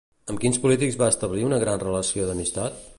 Amb quins polítics va establir una gran relació d'amistat?